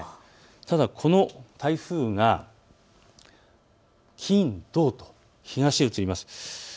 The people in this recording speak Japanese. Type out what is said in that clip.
ただ、この台風が金、土と東へ移ります。